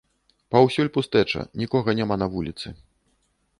Паўсюль пустэча, нікога няма на вуліцы.